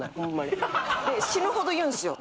で死ぬほど言うんですよ